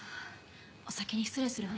お先に失礼するね。